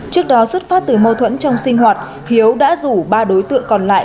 trước đó xuất phát từ mâu thuẫn trong sinh hoạt hiếu đã rủ ba đối tượng còn lại